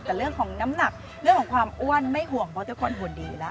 แต่เรื่องของน้ำหนักเรื่องของความอ้วนไม่ห่วงเพราะทุกคนห่วงดีแล้ว